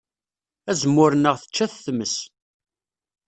Azemmur-nneɣ tečča-t tmes.